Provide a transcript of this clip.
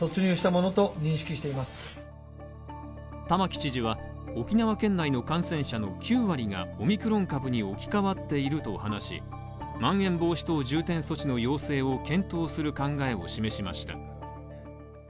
玉城知事は沖縄県内の感染者の９割がオミクロン株に置き換わっていると話し、まん延防止等重点措置の要請を検討する考えを示しました